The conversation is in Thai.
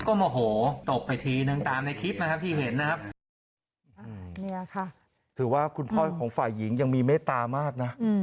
ก็โอโหตกไปทีนึงตามในคลิปนะครับที่เห็นนะครับ